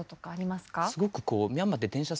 すごくこうミャンマーって電車